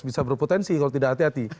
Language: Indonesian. bisa berpotensi kalau tidak hati hati